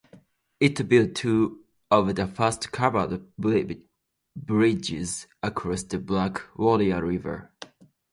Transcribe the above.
It built two of the first covered bridges across the Black Warrior River.